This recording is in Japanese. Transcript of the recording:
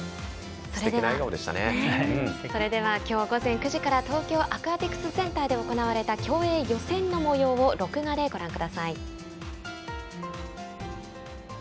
それではきょう午前９時から東京アクアティクスセンターで行われた競泳予選のもようを録画でご覧ください。